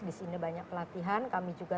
disini banyak pelatihan kami juga